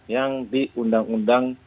yang di undang undang